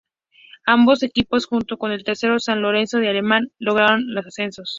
Ambos equipos, junto con el tercero, San Lorenzo de Alem, lograron el ascenso.